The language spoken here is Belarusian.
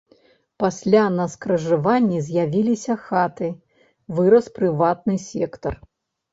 Пасля на скрыжаванні з'явіліся хаты, вырас прыватны сектар.